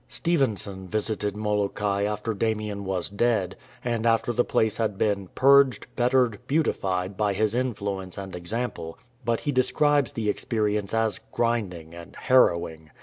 Stevenson visited Molokai after Damien was dead, and after the place had been "purged, bettered, beautified" by his influence and example ; but he describes the experience as " grinding " and " haiTowing."